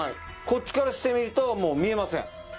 こっちからしてみるともう見えません。